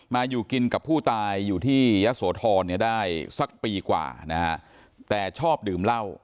อยู่กินกับผู้ตายอยู่ที่ยะโสธรเนี่ยได้สักปีกว่านะฮะแต่ชอบดื่มเหล้า